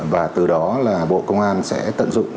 và từ đó là bộ công an sẽ tận dụng